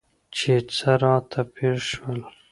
چې څه راته راپېښ شول؟